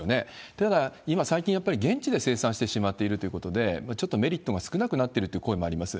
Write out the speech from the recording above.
というのは、今、最近やっぱり現地で生産してしまっているということで、ちょっとメリットが少なくなってるという声もあります。